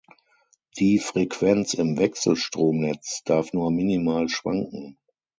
Die Freuquenz im Wechselstromnetz darf nur minimal schwankem.